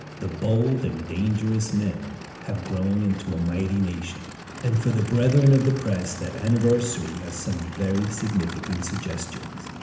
The "bold and dangerous men" have grown into a mighty nation. And for the brethren of the press that anniversary has some very significant suggestions.